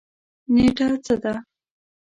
نیټه څه ده؟